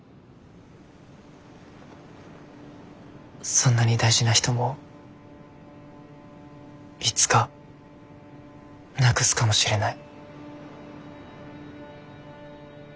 そんなに大事な人もいつかなくすかもしれない。